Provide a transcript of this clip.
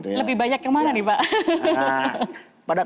lebih banyak yang mana nih pak